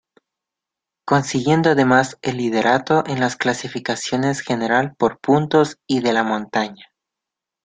Consiguiendo además el liderato en las clasificaciones General, por Puntos y de la Montaña.